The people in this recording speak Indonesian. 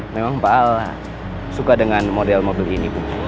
memang pak al suka dengan model mobil ini bu